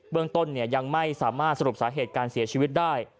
เรื่องต้นยังไม่สามารถสรุปสาเหตุการเสียชีวิตได้